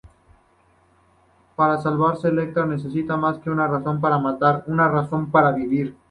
Para salvarse, Elektra necesita más que una razón para matar... una razón para vivir.